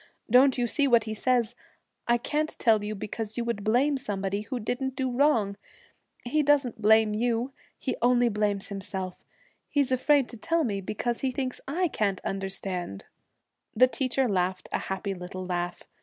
Don't you see what he says: I can't tell you because you would blame somebody who didn't do wrong. He doesn't blame you. He only blames himself. He's afraid to tell me because he thinks I can't understand.' The teacher laughed a happy little laugh.